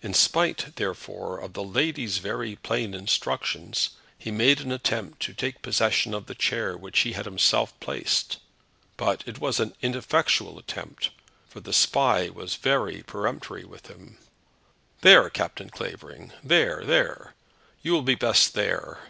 In spite, therefore, of the lady's very plain instructions, he made an attempt to take possession of the chair which he had himself placed; but it was an ineffectual attempt, for the Spy was very peremptory with him. "There, Captain Clavering; there; there; you will be best there."